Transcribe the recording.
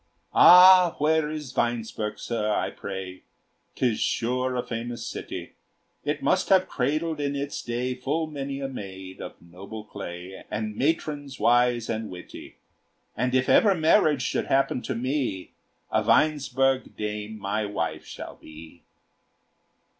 Ah, where is Weinsberg, sir, I pray? 'Tis sure a famous city: It must have cradled in its day Full many a maid of noble clay, And matrons wise and witty; And if ever marriage should happen to me, A Weinsberg dame my wife shall be.